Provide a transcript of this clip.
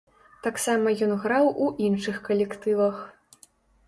Таксама ён граў у іншых калектывах.